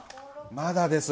まだです。